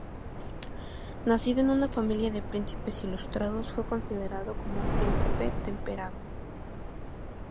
Nacido en una familia de príncipes ilustrados, fue considerado como un príncipe temperado.